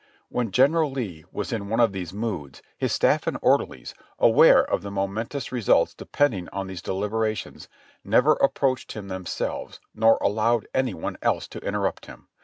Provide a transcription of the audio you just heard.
When General Lee was in one of these "moods," his staff and orderlies, aware of the momentous results depending on these de liberations, never approached him themselves nor allowed any one else to interrupt him.